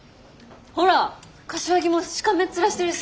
ほら柏木もしかめっ面してるし。